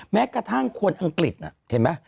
แม้กระทั่งคนอังกฤษน่ะเห็นไหม